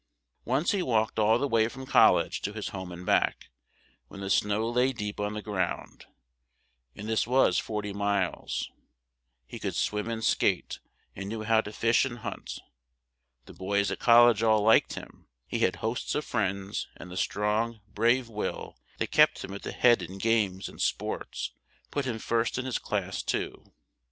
Once he walked all the way from col lege to his home and back, when the snow lay deep on the ground, and this was for ty miles; he could swim and skate, and knew how to fish and hunt; the boys at col lege all liked him; he had hosts of friends, and the strong, brave will that kept him at the head in games and sports put him first in his class too.